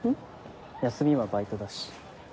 休みはバイトだし。